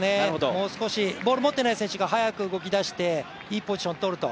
もう少し、ボールを持っていない選手が早く動きだして、いいポジションを取ると。